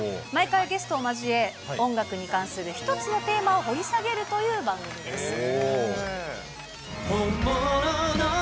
毎回ゲストを交え、音楽に関する一つのテーマを掘り下げるという番組です。